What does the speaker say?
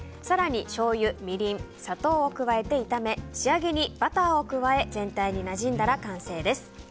更に、しょうゆ、みりん砂糖を加えて炒め仕上げにバターを加え全体になじんだら完成です。